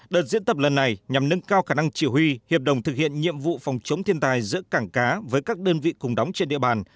đợt diễn tập lần này nhằm nâng cao khả năng chỉ huy hiệp đồng thực hiện nhiệm vụ phòng chống thiên tài giữa cảng cá với các đơn vị cùng đóng trên địa bàn